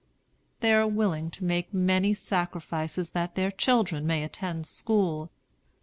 They are willing to make many sacrifices that their children may attend school.